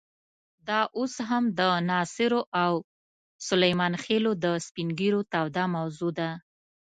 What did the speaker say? دا اوس هم د ناصرو او سلیمان خېلو د سپین ږیرو توده موضوع ده.